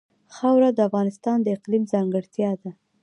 خاوره د افغانستان د اقلیم ځانګړتیا ده.